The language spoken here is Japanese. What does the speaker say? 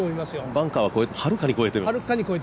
バンカーをはるかに越えていますね。